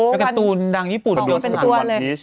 แล้วกันตูนดังญี่ปุ่นออกมาเป็นตัวเลย